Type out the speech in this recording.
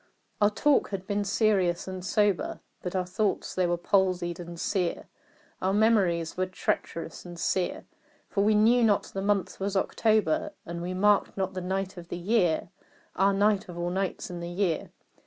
Our talk had been serious and sober, But our thoughts they were palsied and sere Our memories were treacherous and sere For we knew not the month was October, And we marked not the night of the year (Ah, night of all nights in the year!)